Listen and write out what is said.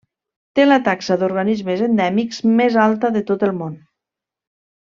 Té la taxa d'organismes endèmics més alta de tot el món.